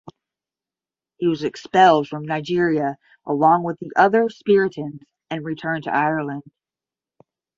He was expelled from Nigeria along with the other Spiritans and returned to Ireland.